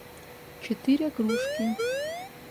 четыре кружки